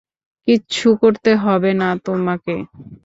কিচ্ছু করতে হবে না তোমাকে।